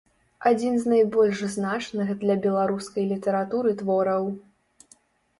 Адзін з найбольш значных для беларускай літаратуры твораў.